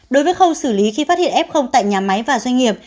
đối với khâu xử lý khi phát hiện f tại nhà máy và doanh nghiệp